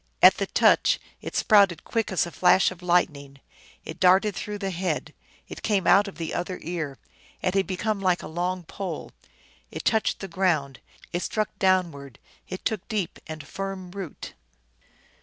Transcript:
At the touch it sprouted quick as a flash of lightning, it darted through the head, it came out of the other ear, it had become like a long pole. It touched the ground, it struck downward, it took deep and firm root.